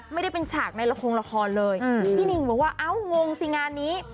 ไม่ได้เป็นฉากในละครละครเลยพี่นิ่งบอกว่าเอ้างงสิงานนี้